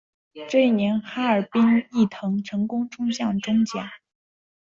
这一年哈尔滨毅腾成功冲上中甲。